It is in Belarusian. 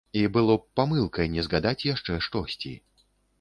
І было б памылкай не згадаць яшчэ штосьці.